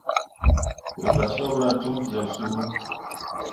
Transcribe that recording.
Ru gah sopra com zyeɓsuu.